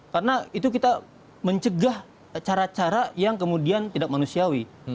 karena itu kita mencegah cara cara yang kemudian tidak manusiawi